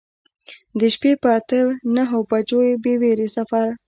د شپې په اته نهه بجو بې ویرې سفر.